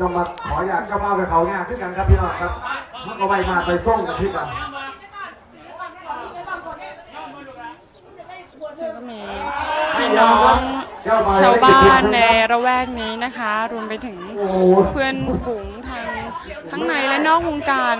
ชาวบ้านในระแวกนี้นะคะรวมไปถึงเพื่อนฝูงทั้งในและนอกวงการ